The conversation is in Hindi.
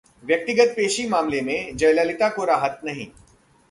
व्यक्तिगत पेशी मामले में जयललिता को राहत नहीं